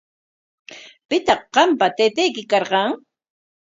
¿Pitaq qampa taytayki karqan?